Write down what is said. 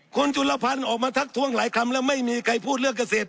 คุณจุลพันธ์ออกมาทักทวงหลายคำแล้วไม่มีใครพูดเรื่องเกษตร